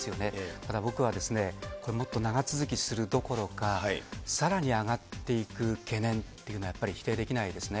ただ僕は、これもっと長続きするどころか、さらに上がっていく懸念というのはやっぱり否定できないですね。